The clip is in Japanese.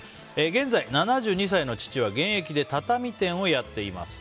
現在、７２歳の父は現役で畳店をやっています。